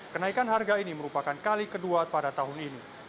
kenaikan harga ini merupakan kali kedua pada tahun ini